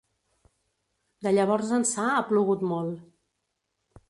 De llavors ençà ha plogut molt.